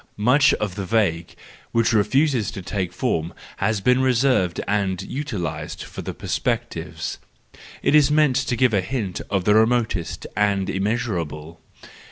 Much of the vague, which re¬ fuses to take form, has been reserved and utilised for the perspectives :—it is meant to give a hint of the remote and immeasurable.